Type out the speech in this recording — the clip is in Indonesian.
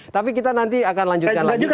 tapi kita nanti akan lanjutkan lagi